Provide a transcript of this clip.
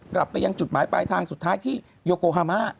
กลับไปยังจุดหมายปลายทางสุดท้ายที่โยโกฮามา